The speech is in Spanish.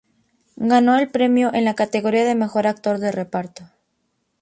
Ganó el premio en la categoría de mejor actor de reparto.